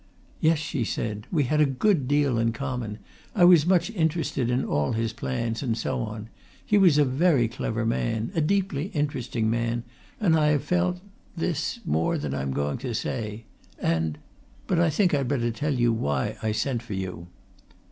"Yes," she said. "We had a good deal in common; I was much interested in all his plans, and so on. He was a very clever man, a deeply interesting man, and I have felt this more than I'm going to say. And but I think I'd better tell you why I sent for you."